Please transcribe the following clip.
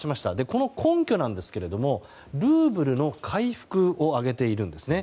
この根拠なんですけれどもルーブルの回復を挙げているんですね。